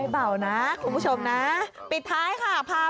หัวขึ้นหัวขึ้นหัวลง